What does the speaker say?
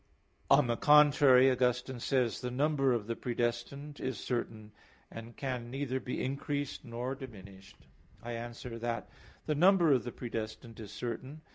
On the contrary, Augustine says (De Corr. et Grat. 13): "The number of the predestined is certain, and can neither be increased nor diminished." I answer that, The number of the predestined is certain.